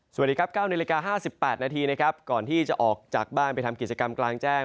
สวัสดีครับ๙นาฬิกา๕๘นาทีนะครับก่อนที่จะออกจากบ้านไปทำกิจกรรมกลางแจ้ง